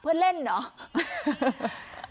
เพื่อเล่นเหรอ